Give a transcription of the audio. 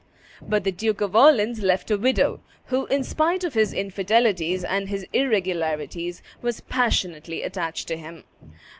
But the Duke of Orleans left a widow who, in spite of his infidelities and his irregularities, was passionately attached to him.